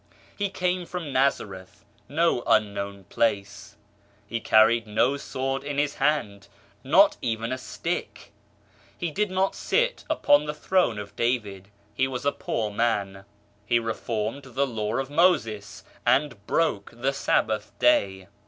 He came from Nazareth, no unknown place. He carried no sword in His hand, nor even a stick. He did not sit upon the Throne of David, He was a poor man. He reformed the Law of Moses, and broke the Sabbath Day.